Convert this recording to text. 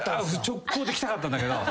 直行で来たかったんだけど。